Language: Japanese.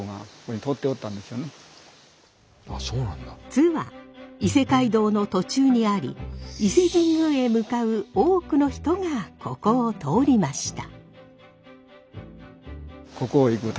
津は伊勢街道の途中にあり伊勢神宮へ向かう多くの人がここを通りました。